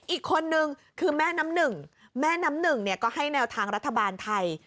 อีกคนนึงคือแม่น้ำหนึ่งแม่น้ำหนึ่งเนี่ยก็ให้แนวทางรัฐบาลไทย